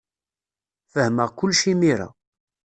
Fehmeɣ kullec imir-a.